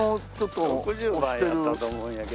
６０番やったと思うんやけど。